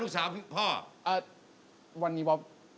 คุณฟังผมแป๊บนึงนะครับ